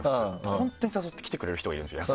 本当に誘ってきてくれる人がいるんですよ